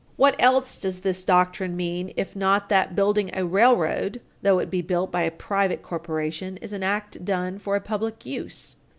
What else does this doctrine mean if not that building a railroad, though it be built by a private corporation, is an act done for a public use."